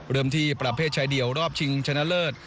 เริ่มที่ประเภทชายเดี่ยวรอบชิงชนะเลิศ